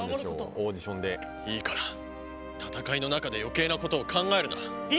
オーディションでいいから戦いの中で余計なことを考えるないえ！